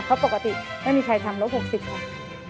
เพราะปกติไม่มีใครทำรถ๖๐ค่ะ